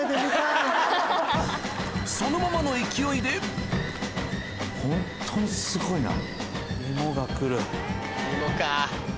そのままの勢いで・ホントにすごいな・芋か。